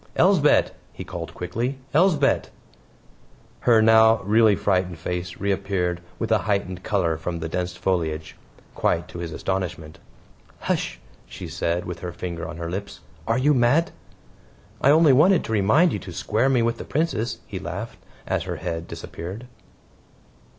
"Elsbeth," he called quickly. "Elsbeth!" Her now really frightened face reappeared with a heightened color from the dense foliage quite to his astonishment. "Hush," she said, with her finger on her lips. "Are you mad?" "I only wanted to remind you to square me with the Princess," he laughed as her head disappeared.